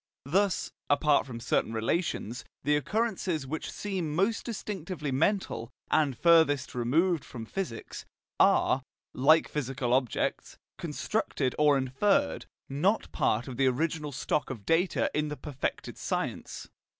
Thus (apart from certain relations) the occurrences which seem most distinctively mental, and furthest removed from physics, are, like physical objects, constructed or inferred, not part of the original stock of data in the perfected science.